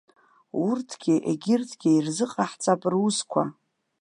Урҭгьы егьырҭгьы ирзыҟаҳҵап русқәа.